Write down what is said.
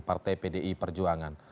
partai pdi perjuangan